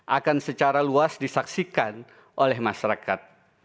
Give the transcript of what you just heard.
akan secara luas disaksikan oleh masyarakat